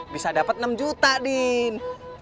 bisa dapat enam juta din